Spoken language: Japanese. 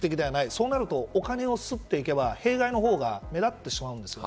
そうなるとお金を刷っていけば弊害の方が目立ってしまうんです。